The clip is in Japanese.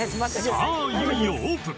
さあいよいよオープン